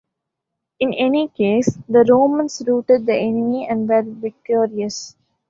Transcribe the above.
In any case, the Romans routed the enemy and were victorious.